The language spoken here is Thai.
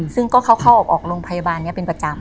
ซึ่งก็เข้าออกโรงพยาบาลนี้เป็นประจำ